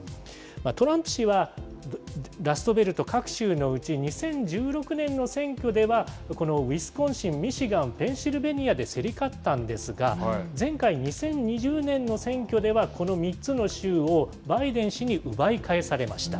トランプ氏は、ラストベルト各州のうち、２０１６年の選挙では、このウィスコンシン、ミシガン、ペンシルベニアで競り勝ったんですが、前回・２０２０年の選挙では、この３つの州をバイデン氏に奪い返されました。